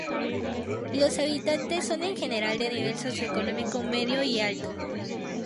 Los habitantes son en general del nivel socioeconómico medio y alto.